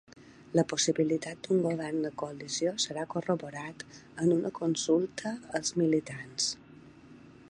La possibilitat d'un govern de coalició serà corroborat en una consulta als militants